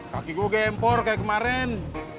kaki gue gempor kayak kemarin